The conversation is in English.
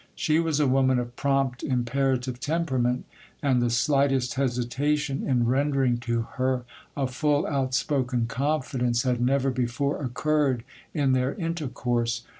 She was a woman of prompt, imperative temperament, and the slightest hesitation in rendering to her a full, outspoken confidence had never before occurred in their intercourse.